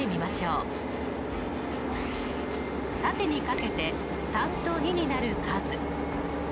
縦に掛けて３と２になる数。